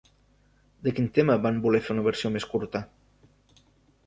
De quin tema van voler fer una versió més curta?